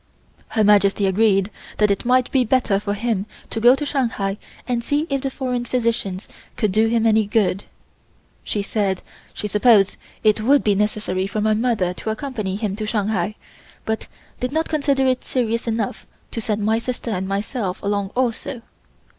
Her Majesty agreed that it might be better for him to go to Shanghai and see if the foreign physicians could do him any good. She said she supposed it would be necessary for my mother to accompany him to Shanghai, but did not consider it serious enough to send my sister and myself along also.